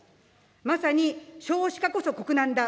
まさに少子化こそ国難だ。